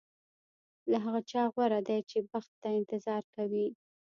له هغه چا غوره دی چې بخت ته انتظار کوي.